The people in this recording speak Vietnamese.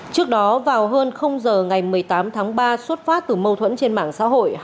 trước đó vào hơn giờ ngày một mươi tám tháng ba xuất phát từ mâu thuẫn trên mạng xã hội